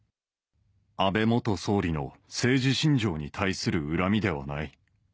安倍元総理の政治信条に対する恨みではない。